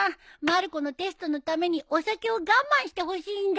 まる子のテストのためにお酒を我慢してほしいんだよ。